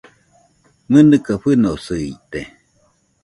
¡Mɨnɨka fɨnoisɨite!